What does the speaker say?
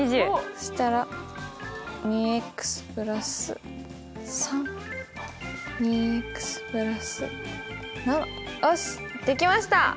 そしたらよしできました！